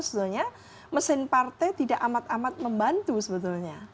sebetulnya mesin partai tidak amat amat membantu sebetulnya